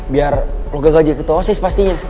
biar lo gagal jadi ketua osis pastinya